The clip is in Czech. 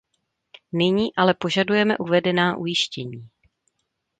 Nyní ale požadujeme uvedená ujištění.